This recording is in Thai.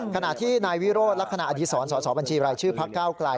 ขณะที่นายวิโรศและขณะอดีศรสอบบัญชีรายชื่อพักก้าวกลาย